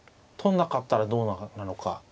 取んなかったらどうなのか。